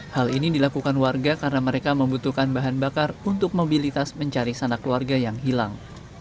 hal ini dilakukan warga karena mereka membutuhkan bahan bakar untuk mobilitas mencari sanak keluarga yang hilang